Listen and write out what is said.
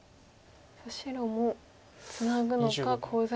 白もツナぐのかコウ材